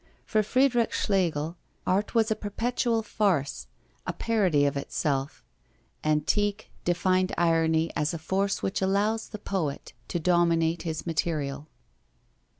For Friedrich Schlegel, art was a perpetual farce, a parody of itself; and Tieck defined irony as a force which allows the poet to dominate his material.